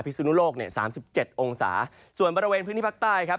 สุนุโลกเนี่ยสามสิบเจ็ดองศาส่วนบริเวณพื้นที่ภาคใต้ครับ